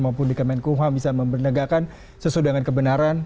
maupun di kemenkuhan bisa membenegakan sesudah dengan kebenaran